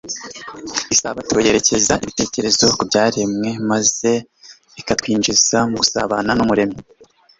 Isabato yerekeza ibitekerezo ku byaremwe maze ikatwinjiza mu gusabana n’Umuremyi.